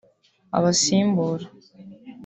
Abasimbura